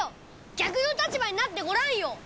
逆の立場になってごらんよ！